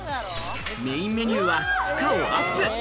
メインメニューは負荷をアップ。